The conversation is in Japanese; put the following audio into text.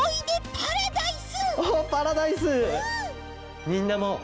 パラダイス！